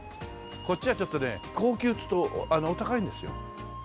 こっちはちょっとね高級ちょっとお高いんですよ。